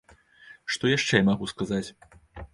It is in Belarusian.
Што яшчэ я магу сказаць?